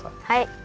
はい。